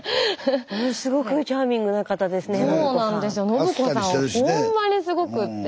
信子さんほんまにすごくって。